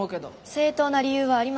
正当な理由はありません。